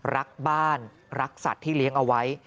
รักบ้านรักสัตว์ที่เลี้ยงเอาไว้